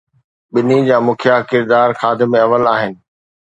ٻنهي جا مکيه ڪردار خادم اول آهن.